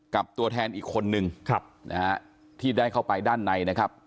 ตัวแทนอีกคนนึงนะฮะที่ได้เข้าไปด้านในนะครับ